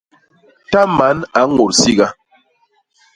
Ta man a ñôt siga.